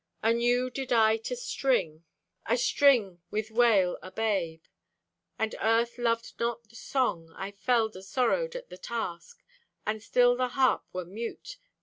Anew did I to string, Astring with wail o' babe, And Earth loved not the song. I felled asorrowed at the task, And still the Harp wert mute.